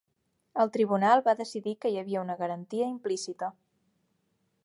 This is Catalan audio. El tribunal va decidir que hi havia una garantia implícita.